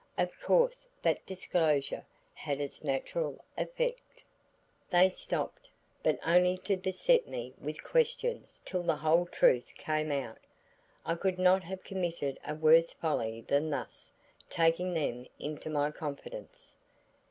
Of course that disclosure had its natural effect. "They stopped, but only to beset me with questions till the whole truth came out. I could not have committed a worse folly than thus taking them into my confidence.